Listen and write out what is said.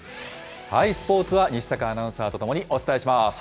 スポーツは西阪アナウンサーと共にお伝えします。